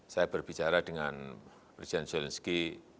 saya berbicara dengan presiden zelensky